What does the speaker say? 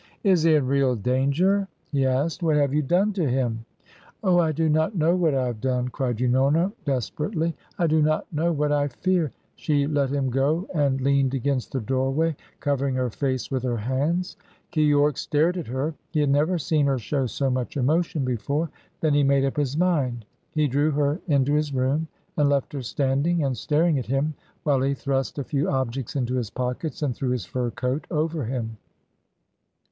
"Is he in real danger?" he asked. "What have you done to him?" "Oh, I do not know what I have done!" cried Unorna desperately. "I do not know what I fear " She let him go and leaned against the doorway, covering her face with her hands. Keyork stared at her. He had never seen her show so much emotion before. Then he made up his mind. He drew her into his room and left her standing and staring at him while he thrust a few objects into his pockets and threw his fur coat over him.